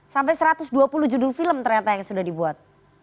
sampai satu ratus dua puluh judul film ternyata yang sudah dibuat